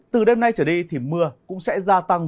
từ đêm nay trở đi thì mưa cũng sẽ gia tăng